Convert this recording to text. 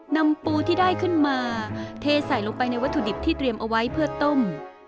นำปูที่ได้ขึ้นมาเทใส่ลงไปในวัตถุดิบที่เตรียมเอาไว้เพื่อต้ม